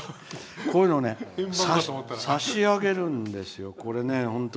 こういうの差し上げるんですよ。